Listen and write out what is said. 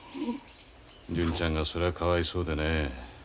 純ちゃんがそれはかわいそうでね。